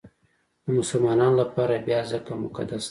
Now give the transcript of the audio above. د مسلمانانو لپاره بیا ځکه مقدس دی.